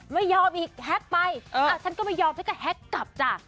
ไม่ยอมอีกแฮ็กไปฉันก็ไม่ยอมฉันก็แฮ็กกลับจ้ะ